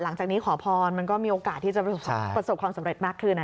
หลังจากนี้ขอพรมันก็มีโอกาสที่จะประสบความสำเร็จมากขึ้น